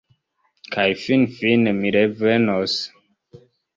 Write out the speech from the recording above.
Kaj finfine mi revenos.